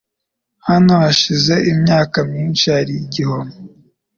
Hano hashize imyaka myinshi hari igihome.